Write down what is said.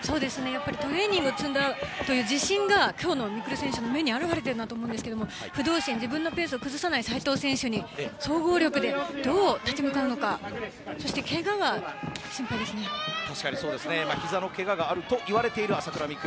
トレーニングを積んだという自信が今日の未来選手の目に表れていると思いますが不動心、自分のペースを崩さない斎藤選手に総合力で、どう立ち向かうのかひざのけががあるといわれる朝倉未来。